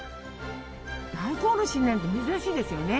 大根おろし入れるなんて珍しいですよね。